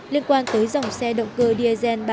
liên quan tới dòng xe động cơ diesel ba